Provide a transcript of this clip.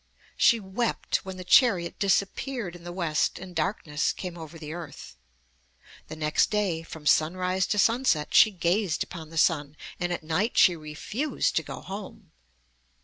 She wept when the chariot disappeared in the west and darkness came over the earth. The next day from sunrise to sunset she gazed upon the sun, and at night she refused to go home.